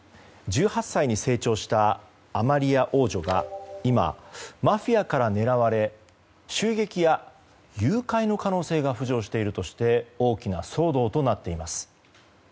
１８歳に成長したアマリア王女が今、マフィアから狙われ襲撃や誘拐の可能性が浮上しているとして大きな騒動となっています。